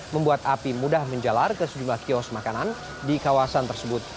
membuat api mudah menjalar ke sejumlah kios makanan di kawasan tersebut